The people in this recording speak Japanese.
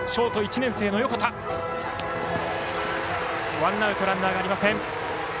ワンアウトランナーがありません。